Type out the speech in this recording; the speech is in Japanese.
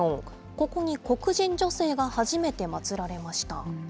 ここに黒人女性が初めて祭られました。